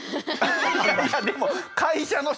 いやでも会社の社長。